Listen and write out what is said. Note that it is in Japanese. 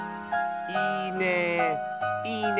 いいね。